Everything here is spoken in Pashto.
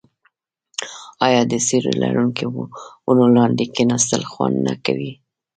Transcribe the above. آیا د سیوري لرونکو ونو لاندې کیناستل خوند نه کوي؟